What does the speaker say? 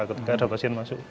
ketika ada pasien masuk